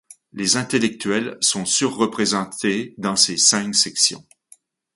Les intellectuels sont surreprésentés dans ses cinq sections.